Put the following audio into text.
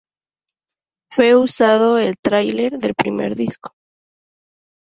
Fue usado el trailer del primer disco.